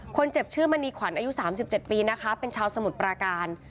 คนเจ็บชื่อมณีขวัญอายุ๓๗ปีนะคะเป็นชาวสมุทรปราการ